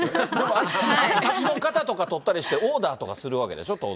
足の型とか取ったりして、オーダーとかするわけでしょ？